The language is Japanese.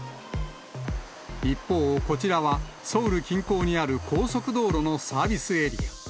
一方、こちらはソウル近郊にある高速道路のサービスエリア。